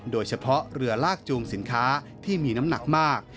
โดยเฉพาะเรือลากจูงสินค้าที่มีน้ำหนักมาก